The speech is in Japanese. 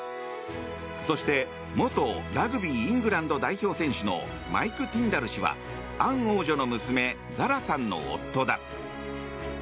そして、元ラグビーイングランド代表選手のマイク・ティンダル氏はアン王女の娘ザラさんの夫だ。